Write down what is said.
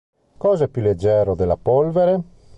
Cosa è più leggero della polvere?